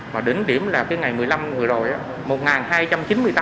mà đỉnh điểm là cái ngày một mươi năm vừa rồi